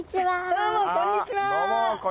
どうもこんにちは。